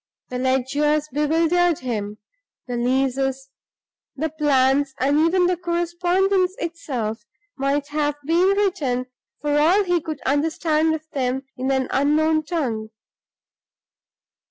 The ledgers bewildered him; the leases, the plans, and even the correspondence itself, might have been written, for all he could understand of them, in an unknown tongue.